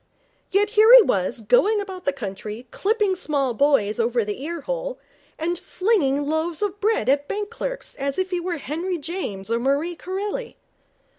Yet here he was going about the country clipping small boys over the ear hole, and flinging loaves of bread at bank clerks as if he were Henry James or Marie Corelli.